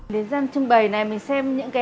đến gian trưng bày này mình xem những cái